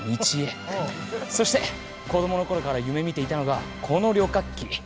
そして子どもの頃から夢みていたのがこの旅客機。